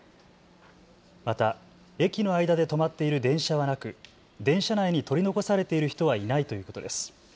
また駅の間で止まっている電車はなく、電車内に取り残されている人はいないということです。